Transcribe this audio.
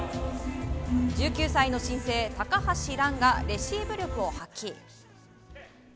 １９歳の新星、高橋藍がレシーブ力を発揮。